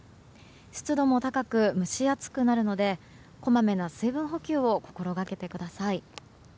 湿度も高く、蒸し暑くなるのでこまめな水分補給を心がけてください。